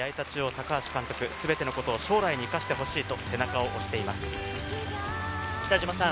中央・高橋監督、全てのことを将来に生かしてほしいと背中を押しています。